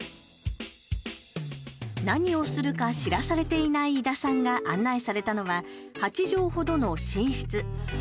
何をするか知らされていない井田さんが案内されたのは８畳ほどの寝室。